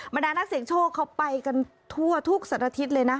ดานักเสียงโชคเขาไปกันทั่วทุกสัตว์อาทิตย์เลยนะ